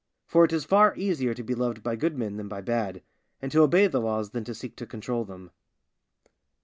For it is far easier to be loved by good men than by bad, and to obey the laws than to seek to control them.